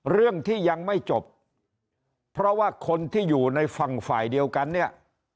เรื่องที่ยังไม่จบเพราะว่าคนที่อยู่ในฝั่งฝ่ายเดียวกันเนี่ย